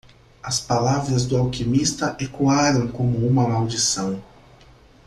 As palavras do alquimista ecoaram como uma maldição.